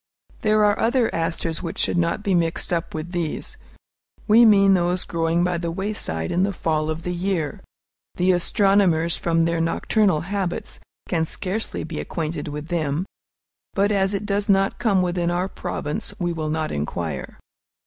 There are other asters which should not be mixed up with these, we mean those growing by the wayside in the fall of the year. The astronomers, from their nocturnal habits, can scarcely be acquainted with them; but as it does not come within our province, we will not inquire.